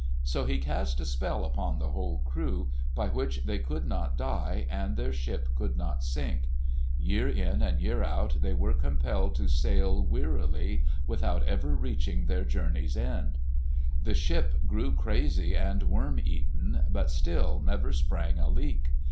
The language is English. So he cast a spell upon the whole crew, by which they could not die and their ship could not sink. Year in and year out they were compelled to sail wearily without ever reaching their journey's end. The ship grew crazy and worm eaten, but still never sprang a leak.